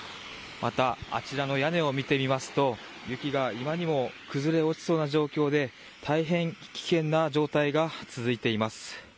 またあちらの屋根を見てみますと雪が今にも崩れ落ちそうな状況で大変、危険な状態が続いています。